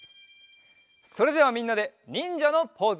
それではみんなでにんじゃのポーズ。